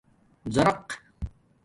زَرق